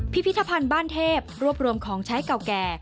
พิพิธภัณฑ์บ้านเทพรวบรวมของใช้เก่าแก่